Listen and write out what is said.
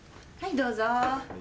はいどうぞ。